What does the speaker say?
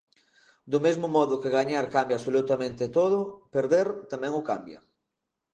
Do mesmo modo que gañar cambia absolutamente todo, perder tamén o cambia.